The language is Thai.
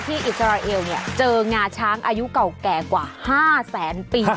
อิสราเอลเจองาช้างอายุเก่าแก่กว่า๕แสนปี